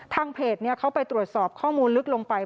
ทางเพจเขาไปตรวจสอบข้อมูลลึกลงไป